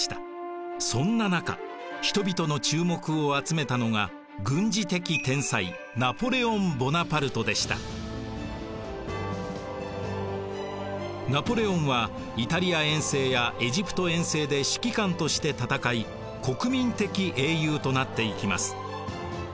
そんな中人々の注目を集めたのがナポレオンはイタリア遠征やエジプト遠征で指揮官として戦い国民的英雄となっていきます。